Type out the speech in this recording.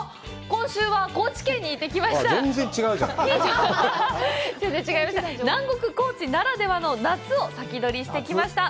今週は高知県に行ってきました！